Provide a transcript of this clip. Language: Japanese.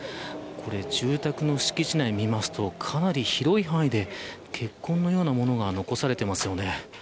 これ、住宅の敷地内を見ますとかなり広い範囲で血痕のようなものが残されていますよね。